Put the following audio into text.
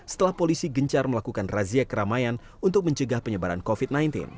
setelah polisi gencar melakukan razia keramaian untuk mencegah penyebaran covid sembilan belas